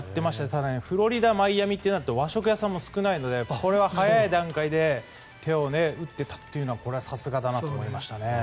ただフロリダ・マイアミとなると和食屋さんも少ないのでこれは早い段階で手を打っていたというのはこれはさすがだなと思いましたね。